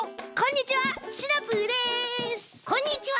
こんにちは！